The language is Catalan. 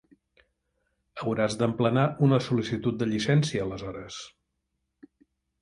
Hauràs d'emplenar una sol·licitud de llicència aleshores.